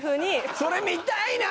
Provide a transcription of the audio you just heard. それ見たいな！